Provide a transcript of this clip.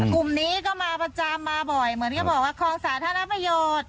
กลุ่มนี้ก็มาประจำมาบ่อยเหมือนก็บอกว่าคลองสาธารณประโยชน์